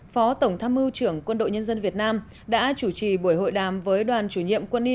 phó tổng tham mưu trưởng quân đội nhân dân việt nam đã chủ trì buổi hội đàm với đoàn chủ nhiệm quân y